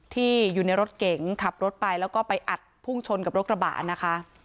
ที่อยู่ในรถเก๋งขับรถไปแล้วก็ไปอัดพุ่งชนกับรถกระบะนะคะ